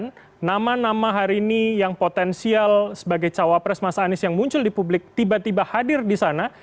kemudian nama nama hari ini yang potensial sebagai cawapres mas anies yang muncul di publik tiba tiba hadir di sana